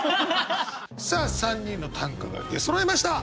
さあ３人の短歌が出そろいました。